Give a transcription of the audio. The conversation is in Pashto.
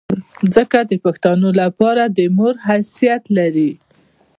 ځمکه د پښتون لپاره د مور حیثیت لري.